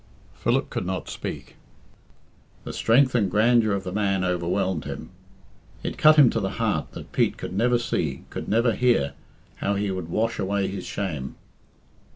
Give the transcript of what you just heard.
Philip could not speak. The strength and grandeur of the man overwhelmed him. It cut him to the heart that Pete could never see, could never hear, how he would wash away his shame.